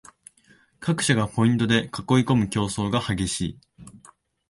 各社がポイントで囲いこむ競争が激しい